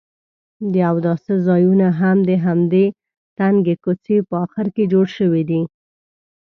د اوداسه ځایونه هم د همدې تنګې کوڅې په اخر کې جوړ شوي دي.